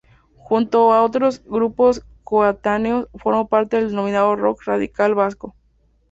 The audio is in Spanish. Junto a otros grupos coetáneos, formó parte del denominado Rock Radical Vasco.